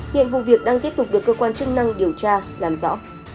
hiện vụ việc đang tiếp tục được cơ quan chức năng điều tra làm rõ